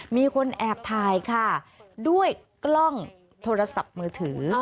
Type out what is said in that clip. มีคนแอบถ่ายค่ะด้วยกล้องโทรศัพท์มือถือ